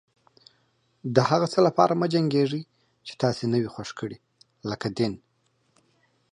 د هغه څه لپاره مه جنګيږئ چې تاسې نه و خوښ کړي لکه دين.